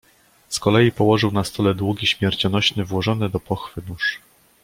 "Z kolei położył na stole długi, śmiercionośny, włożony do pochwy nóż."